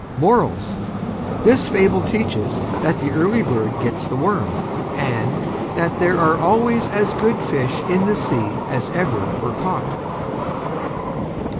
MORALS: This Fable teaches that The Early Bird Gets the Worm, and that There Are Always as Good Fish In the Sea as Ever were Caught.